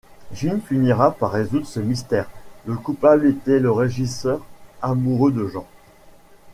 Jim finira par résoudre ce mystère, le coupable était le régisseur, amoureux de Jean.